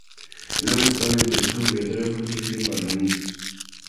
El nuevo sistema de instrucción obligatoria fue introducido para los niños.